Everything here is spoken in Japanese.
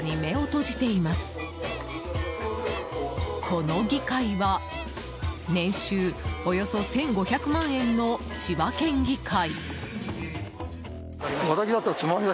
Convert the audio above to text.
この議会は年収およそ１５００万円の千葉県議会。